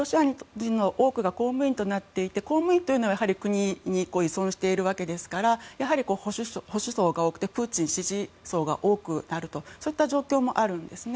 公務員となっていて公務員というのは国に依存しているわけですからやはり保守層が多くてプーチン支持層が多くなるというそういった状況もあるんですね。